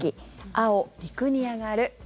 青、陸に上がる。